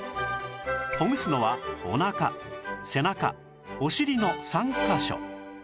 ほぐすのはお腹背中お尻の３カ所